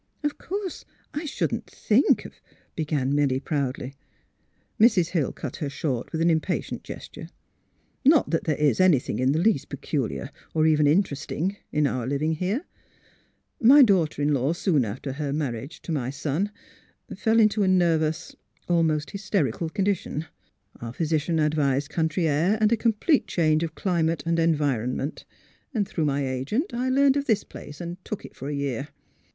'' Of course I shouldn't think of " began Milly, proudly. Mrs. Hill cut her short with an impatient ges ture. '^ Not that there is anything in the least pe culiar, or even interesting in our living here. My daughter in law, soon after her marriage to my A LITTLE JOURNEY 117 son, fell into a nervous, almost hysterical condi tion. Our physician advised country air and a complete change of climate and environment. Through my agent I learned of this place, and took it for a year.